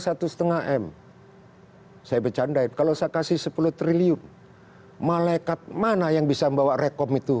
satu setengah m saya bercanda kalau saya kasih sepuluh triliun malaikat mana yang bisa membawa rekom itu